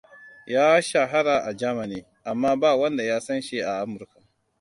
Ya shahara a Germany, amma ba wanda ya sanshi a Amurka.